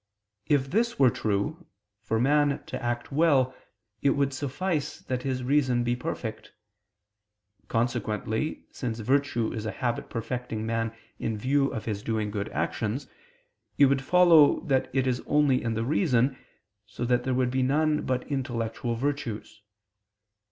If this were true, for man to act well it would suffice that his reason be perfect. Consequently, since virtue is a habit perfecting man in view of his doing good actions, it would follow that it is only in the reason, so that there would be none but intellectual virtues.